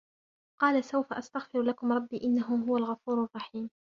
قَالَ سَوْفَ أَسْتَغْفِرُ لَكُمْ رَبِّي إِنَّهُ هُوَ الْغَفُورُ الرَّحِيمُ